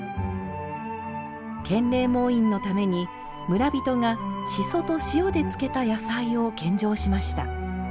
建礼門院のために村人がシソと塩で漬けた野菜を献上しました。